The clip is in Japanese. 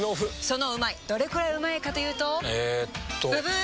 そのうまいどれくらいうまいかというとえっとブブー！